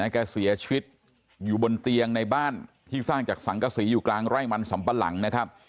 แกเสียชีวิตอยู่บนเตียงในบ้านที่สร้างจากสังกษีอยู่กลางไร่มันสำปะหลังนะครับ